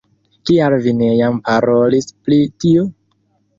Kial vi ne jam parolis pri tio?